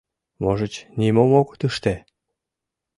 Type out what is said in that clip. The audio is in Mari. Можыч, нимом огыт ыште?